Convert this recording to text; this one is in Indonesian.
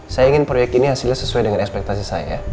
saya ingin proyek ini hasilnya sesuai dengan ekspektasi saya